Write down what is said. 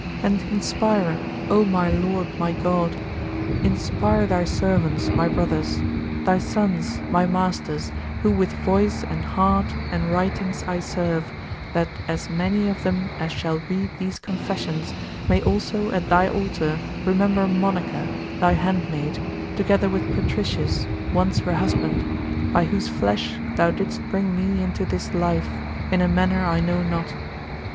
And inspire, O my Lord my God, inspire thy servants, my brothers; thy sons, my masters, who with voice and heart and writings I serve, that as many of them as shall read these confessions may also at thy altar remember Monica, thy handmaid, together with Patricius, once her husband; by whose flesh thou didst bring me into this life, in a manner I know not.